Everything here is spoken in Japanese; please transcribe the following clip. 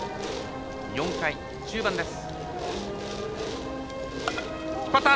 ４回、中盤です。